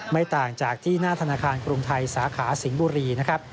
ไม่ต่างจากที่หน้าธนาคารกรุงไทยสาขาสิงห์บุรีนะครับ